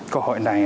cơ hội này